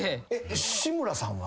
志村さんは？